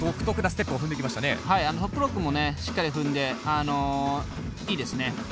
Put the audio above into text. トップロックもしっかり踏んでいいですね。